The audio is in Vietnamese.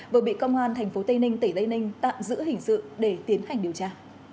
vừa bị công an tp tây ninh tỉnh tây ninh tạm giữ hình sự để tiến hành điều tra